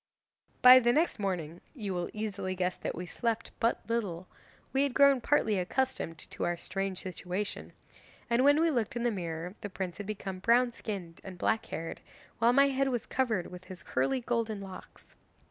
'By the next morning you will easily guess that we slept but little we had grown partly accustomed to our strange situation, and when we looked in the mirror, the prince had become brown skinned and black haired, while my head was covered with his curly golden locks.